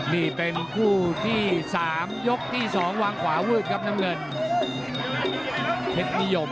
นี่เป็นคู่ที่สามยกที่สองวางขวาวืดกับน้ำเงินเผ็ดมียม